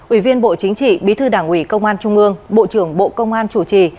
ủy viên bộ chính trị bí thư đảng ủy công an trung ương bộ trưởng bộ công an chủ trì